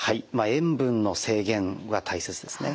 塩分の制限は大切ですね。